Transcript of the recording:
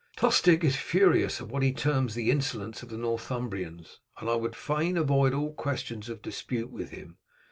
Tostig is furious at what he terms the insolence of the Northumbrians, and I would fain avoid all questions of dispute with him.